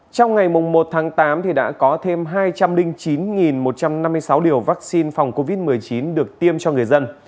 trong ngày một tháng tám đã có thêm hai trăm linh chín một trăm năm mươi sáu liều vaccine phòng covid một mươi chín được tiêm cho người dân